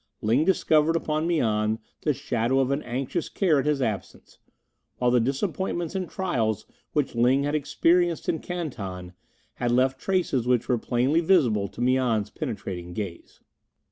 Ling discovered upon Mian the shadow of an anxious care at his absence, while the disappointments and trials which Ling had experienced in Canton had left traces which were plainly visible to Mian's penetrating gaze.